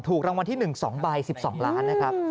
ถูกรางวัลที่๑๒ใบ๑๒ล้านนะครับ